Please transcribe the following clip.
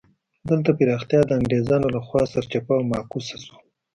دلته پراختیا د انګرېزانو له خوا سرچپه او معکوسه شوه.